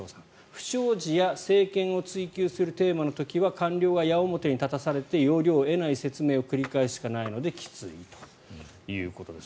不祥事や政権を追及するテーマの時は官僚が矢面に立たされて要領を得ない説明を繰り返すしかないのできついということです。